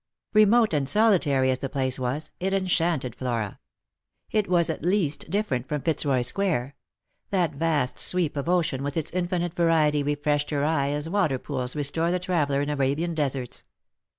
Remote and solitary as the place was, it enchanted Flora. It was at least different from Fitzroy square ; that vast sweep of ocean with its infinite variety refreshed her eye as water pools restore the traveller in Arabian deserts.